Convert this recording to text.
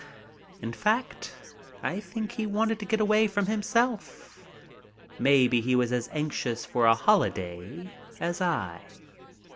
In fact, I think he wanted to get away himself. Maybe he was as anxious for a holiday as I.